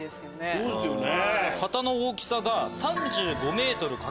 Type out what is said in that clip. そうですよね。